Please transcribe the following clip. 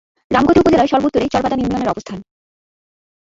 রামগতি উপজেলার সর্ব-উত্তরে চর বাদাম ইউনিয়নের অবস্থান।